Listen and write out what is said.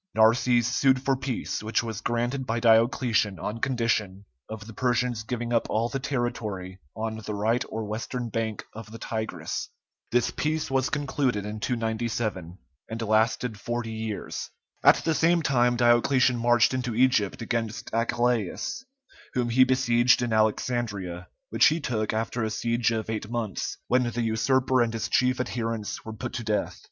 Narses sued for peace, which was granted by Diocletian on condition of the Persians giving up all the territory on the right or western bank of the Tigris. This peace was concluded in 297, and lasted forty years. At the same time Diocletian marched into Egypt against Achillæus, whom he besieged in Alexandria, which he took after a siege of eight months, when the usurper and his chief adherents were put to death.